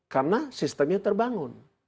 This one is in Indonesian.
karena sistemnya terbangun